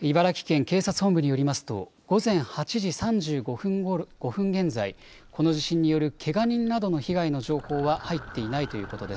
茨城県警察本部によりますと午前８時３５分現在、この地震によるけが人などの被害の情報は入っていないということです。